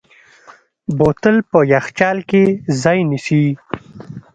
بوتل په یخچال کې ځای نیسي.